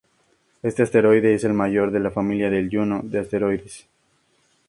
Este asteroide es el mayor de la familia de Juno de asteroides.